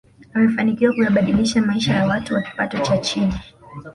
amefanikiwa kuyabadilisha maisha ya watu wa kipato cha chini